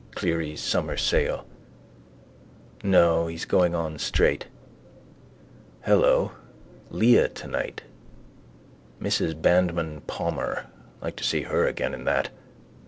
Clery's Summer Sale. No, he's going on straight. Hello. Leah tonight. Mrs Bandmann Palmer. Like to see her again in that.